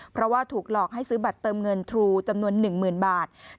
เพราะว่าถูกหลอกให้ซื้อบัตรเติมเงินทรูจำนวน๑๐๐๐บาท